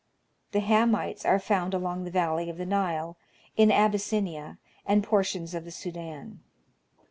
The Hamites are found along the valley of the Nile, in Abyssinia,, and portions of the Sudan.